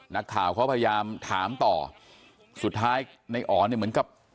นักข่าวเขาพยายามถามต่อสุดท้ายในอ๋อเนี่ยเหมือนกับ